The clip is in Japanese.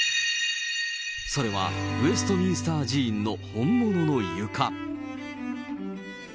それは、ウェストミンスター寺院の本物の床。